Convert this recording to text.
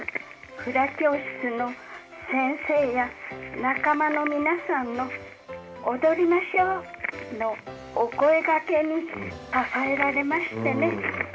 フラ教室の先生や仲間の皆さんの「踊りましょう」のお声がけに支えられましてね。